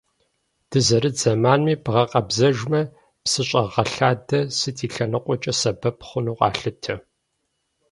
Дызэрыт зэманми бгъэкъэбзэжмэ, псыщӏэгъэлъадэ сыт и лъэныкъуэкӏэ сэбэп хъуну къалъытэ.